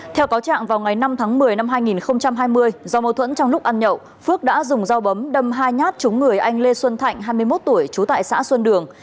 theo cáo trạng vào ngày năm tháng một mươi năm hai nghìn hai mươi do mâu thuẫn trong lúc ăn nhậu phước đã dùng dao bấm đâm hai nhát trúng người anh lê xuân thạnh hai mươi một tuổi trú tại xã xuân đường